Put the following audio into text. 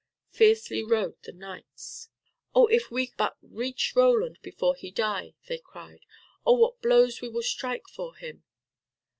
Fiercely rode the knights. "Oh, if we but reach Roland before he die," they cried, "oh, what blows we will strike for him."